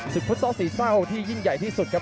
ฟุตซอลสีเศร้าที่ยิ่งใหญ่ที่สุดครับ